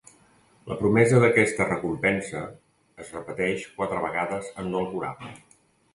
La promesa d'aquesta recompensa es repeteix quatre vegades en l'Alcorà.